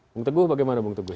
bung teguh bagaimana bung teguh